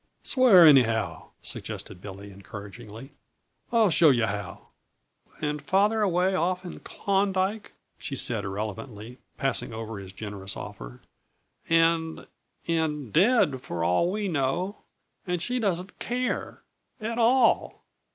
_" "Swear anyhow," suggested Billy encouragingly. "I'll show yuh how." "And father away off in Klondyke," she said irrelevantly, passing over his generous offer, "and and dead, for all we know! And she doesn't care at _all!